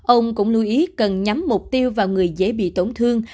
ông cũng lưu ý cần nhắm mục tiêu vào người dễ bị tổn thương